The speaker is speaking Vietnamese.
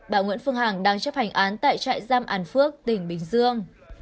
bà nguyễn phương hằng đang chấp hành án tại trại giam an phước tỉnh bình dương